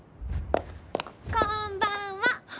こんばんは！